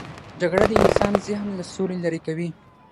جګړه د انسان ذهن له سولې لیرې کوي